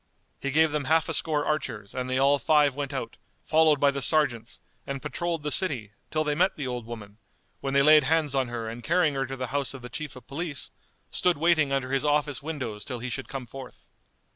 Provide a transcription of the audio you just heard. He gave them half a score archers and they all five went out, followed by the sergeants, and patrolled the city, till they met the old woman, when they laid hands on her and carrying her to the house of the Chief of Police, stood waiting under his office windows till he should come forth.